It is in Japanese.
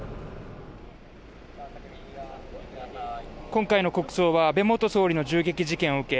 今回の国葬は安倍元総理の銃撃事件を受け